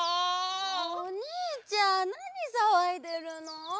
おにいちゃんなにさわいでるの？